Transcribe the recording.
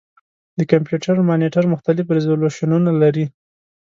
د کمپیوټر مانیټر مختلف ریزولوشنونه لري.